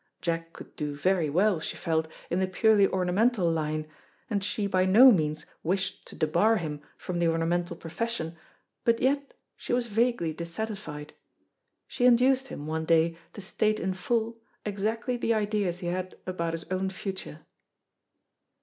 Jack could do very well, she felt, in the purely ornamental line, and she by no means wished to debar him from the ornamental profession, but yet she was vaguely dissatisfied. She induced him one day to state in full, exactly the ideas he had about his own future.